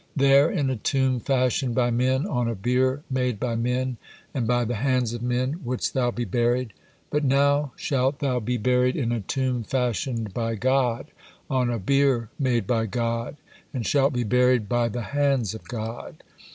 There in a tomb fashioned by men, on a bier made by men, and by the hands of men wouldst thou be buried; but now shalt thou be buried in a tomb fashioned by God, on a bier made by God, and shalt be buried by the hands of God.